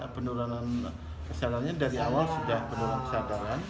penurunan kesadarannya dari awal sudah penurunan kesadaran